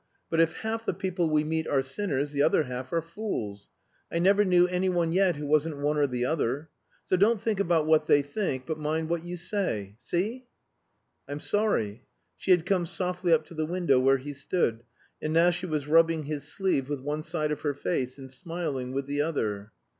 But if half the people we meet are sinners, the other half are fools. I never knew any one yet who wasn't one or the other. So don't think about what they think, but mind what you say. See?" "I'm sorry." She had come softly up to the window where he stood; and now she was rubbing his sleeve with one side of her face and smiling with the other.